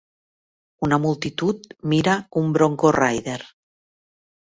Una multitud mira un "bronco rider".